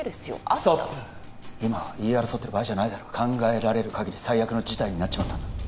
ストップ今は言い争ってる場合じゃないだろ考えられるかぎり最悪の事態になっちまったんだ